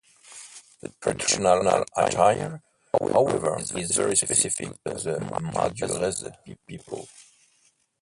The traditional attire, however, is very specific to the Madurese people.